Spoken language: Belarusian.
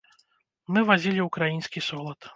Мы вазілі ўкраінскі солад.